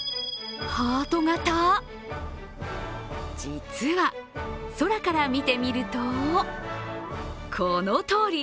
実は、空から見てみるとこのとおり！